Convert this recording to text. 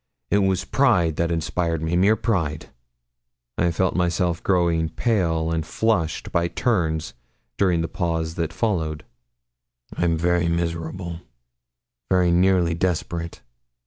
It was pride that inspired me mere pride.' I felt myself growing pale and flushed by turns during the pause that followed. 'I'm very miserable very nearly desperate.